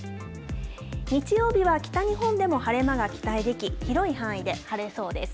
日曜日は北日本でも晴れ間が期待でき広い範囲で晴れそうです。